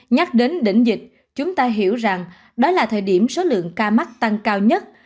nhắc đến đỉnh dịch chúng ta hiểu rằng đó là thời điểm số lượng ca mắc tăng cao nhất